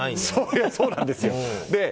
それはそうなんですよ。